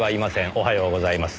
おはようございます。